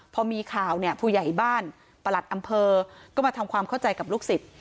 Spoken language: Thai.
พอมีข่าวเนี่ยผู้ใหญ่บ้านประหลัดอำเภอก็มาทำความเข้าใจกับลูกศิษย์